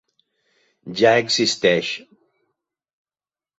Ja existeix.